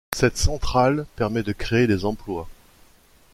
Cette centrale permet de créer des emplois.